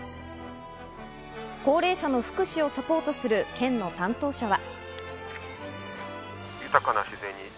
高齢者の福祉をサポートする県の担当者は。